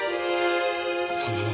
そんなもの